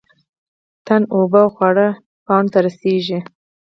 تنه اوبه او خواړه پاڼو ته رسوي